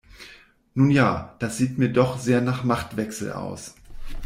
Nun ja, das sieht mir doch sehr nach Machtwechsel aus.